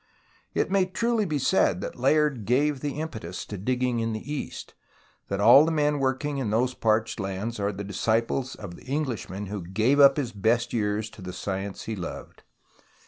It may truly be said that Layard gave the impetus to digging in the East, that all the men working in those parched lands are the disciples of the Englishman who gave up his best years to the science he loved.